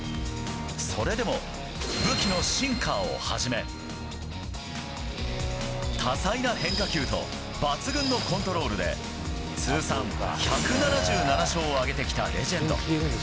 それでも武器のシンカーをはじめ多彩な変化球と抜群なコントロールで通算１７７勝を挙げてきたレジェンド。